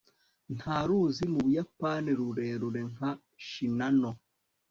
nta ruzi mu buyapani rurerure nka shinano